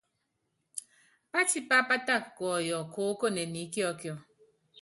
Pátipá pátaka kuɔyɔ koókone ni íkiɔkiɔ.